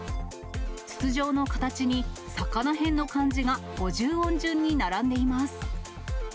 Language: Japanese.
筒状の形に、魚偏の漢字が五十音順に並んでいます。